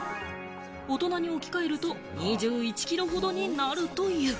大人に置き換えると２１キロほどになるという。